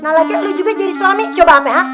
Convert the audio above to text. nah laki lo juga jadi suami coba apa ha